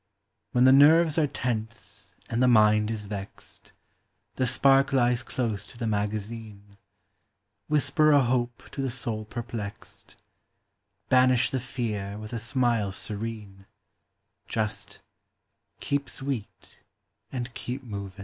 When the nerves are tense and the mind is vexed, The spark lies close to the magazine ; Whisper a hope to the soul perplexed — Banish the fear with a smile serene — Just " Keep sweet and keep movin'."